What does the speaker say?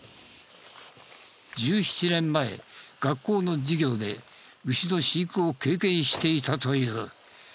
１７年前学校の授業で牛の飼育を経験していたという。